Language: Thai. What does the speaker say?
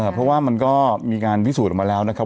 เพราะว่ามันก็มีการพิสูจน์ออกมาแล้วนะครับ